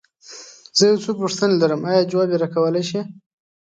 زه يو څو پوښتنې لرم، ايا ځواب يې راکولی شې؟